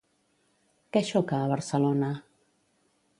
Què xoca a Barcelona?